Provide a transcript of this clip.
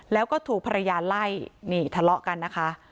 แล้วก็ถูกภรรยาไล่นี่ทะเลาะกันนะคะ